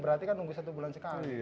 berarti kan nunggu satu bulan sekali